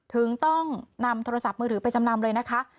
ถึงต้องนำโทรศัพท์มือถือไปจำนำเลยนะคะ